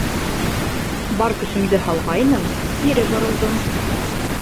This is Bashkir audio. Бар көсөмдө һалғайным, кире боролдом...